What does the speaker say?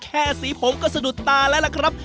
แค่สีผมก็ศดุดตาล่ะครับ